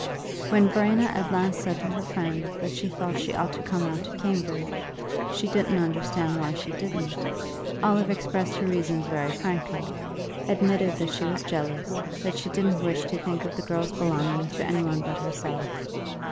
When Verena at last said to her friend that she thought she ought to come out to Cambridge she didn't understand why she didn't Olive expressed her reasons very frankly, admitted that she was jealous, that she didn't wish to think of the girl's belonging to any one but herself.